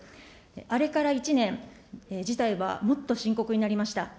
あれから１年、事態はもっと深刻になりました。